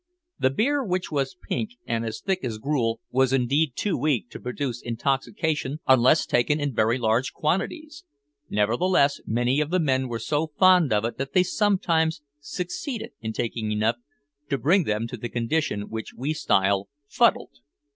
The beer, which was pink, and as thick as gruel, was indeed too weak to produce intoxication unless taken in very large quantities; nevertheless many of the men were so fond of it that they sometimes succeeded in taking enough to bring them to the condition which we style "fuddled."